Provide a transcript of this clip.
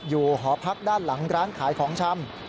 หอพักด้านหลังร้านขายของชำ